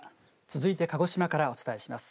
続いて鹿児島からお伝えします。